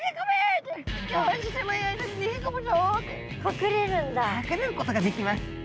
隠れることができます。